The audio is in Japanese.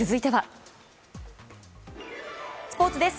スポーツです。